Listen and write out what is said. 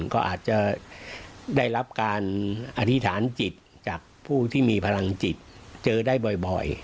ก็อาจจะได้รับการอธิษฐานจิตจากผู้ที่มีพลังจิตเจอได้บ่อย